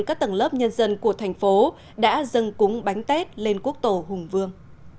các tầng lớp nhân dân của thành phố đã dâng cúng bánh tết lên quốc tổ hùng vương